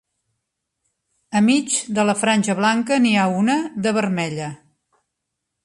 Al mig de la franja blanca n'hi ha una de vermella.